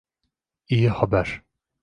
İyi haber.